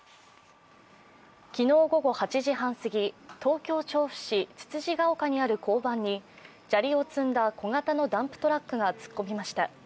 昨日午後、８時半すぎ東京・調布市つつじヶ丘にある交番に砂利を積んだ小型のダンプトラックが突っ込みました。